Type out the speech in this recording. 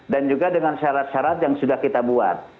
dan juga dengan syarat syarat yang sudah kita buat